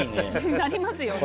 なりますよね。